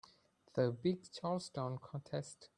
The big Charleston contest.